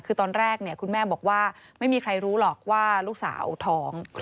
คือตอนแรกคุณแม่บอกว่าไม่มีใครรู้หรอกว่าลูกสาวท้อง